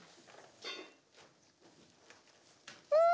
うん！